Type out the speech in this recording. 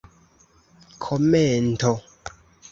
komento